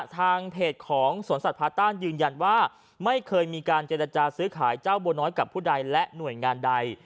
ทางเพจของสวนสัตว์พาต้านยืนยันว่าไม่เคยมีการเจรจาซื้อขายเจ้าบัวน้อยกับผู้ใดและหน่วยงานใด